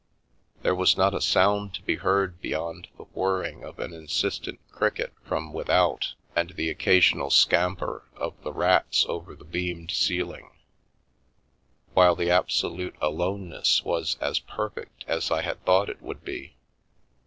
There was not a sound to be heard beyond the whirring of an insistent cricket from without and the occasional scamper of the rats over the beamed ceiling; while the absolute alone ness was as perfect as I had thought it would be.